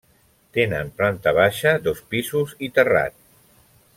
Tenen planta baixa, dos pisos i terrat.